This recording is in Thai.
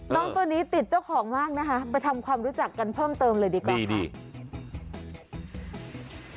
ตัวนี้ติดเจ้าของมากนะคะไปทำความรู้จักกันเพิ่มเติมเลยดีกว่า